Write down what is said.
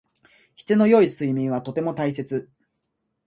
質の良い睡眠はとても大切。